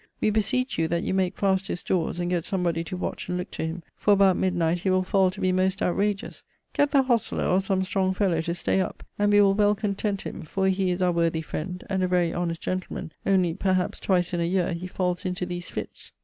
We beseech you that you make fast his dores, and gett somebody to watch and looke to him, for about midnight he will fall to be most outragious: gett the hostler, or some strong fellow, to stay up, and we will well content him, for he is our worthy friend, and a very honest gentleman, only, perhaps, twice in a yeare he falls into these fitts.'